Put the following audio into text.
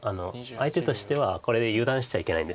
相手としてはこれで油断しちゃいけないんですよね。